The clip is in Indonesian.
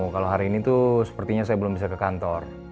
kalau hari ini tuh sepertinya saya belum bisa ke kantor